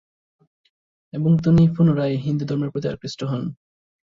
এবং তিনি পুনঃরায় হিন্দু ধর্মের প্রতি আকৃষ্ট হন।